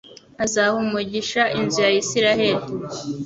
azaha umugisha inzu ya Israheli